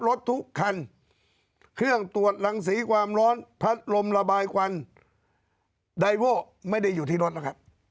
รถทุกคันเครื่องตรวจรังสีความร้อนพัดลมระบายควันไดโว้ไม่ได้อยู่ที่รถนะครับ